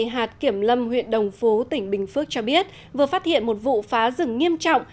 hạt kiểm lâm huyện đồng phú tỉnh bình phước cho biết vừa phát hiện một vụ phá rừng nghiêm trọng